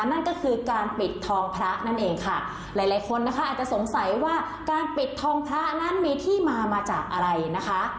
นั่นก็คือการปิดทองพระนั่นเองค่ะหลายหลายคนนะคะอาจจะสงสัยว่าการปิดทองพระนั้นมีที่มามาจากอะไรนะคะ